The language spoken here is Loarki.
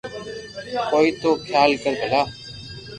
ڪوئي تو خيال ڪر ڀلا